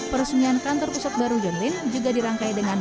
peresmian kantor pusat baru john lynn juga dirangkai dengan